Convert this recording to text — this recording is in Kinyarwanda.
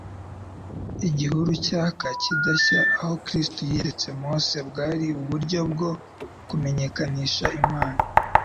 Igihuru cyaka kidashya, aho Kristo yiyeretse Mose bwari uburyo bwo kumenyekanisha Imana.